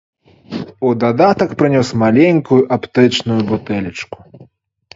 У дадатак прынёс маленькую аптэчную бутэлечку.